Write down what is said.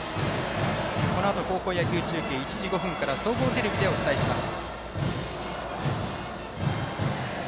このあと高校野球中継１時５分から総合テレビでお伝えします。